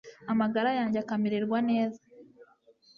amagara yanjye akamererwa neza